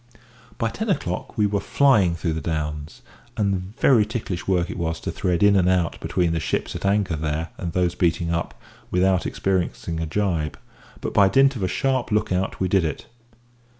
By ten o'clock we were flying through the Downs; and very ticklish work it was to thread in and out between the ships at anchor there and those beating up, without experiencing a jibe, but by dint of a sharp look out we did it.